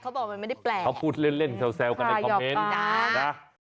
เขาบอกว่ามันไม่ได้แปลกเขาพูดเล่นเซลล์กันในคอมเมนต์